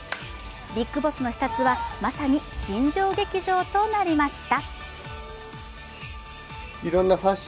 ビッグボスの視察は、まさに新庄劇場となりました。